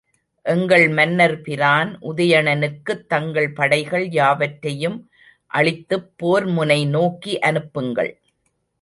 எங்கள் மன்னர் பிரான் உதயணனுக்குத் தங்கள் படைகள் யாவற்றையும் அளித்துப் போர்முனை நோக்கி அனுப்புங்கள்.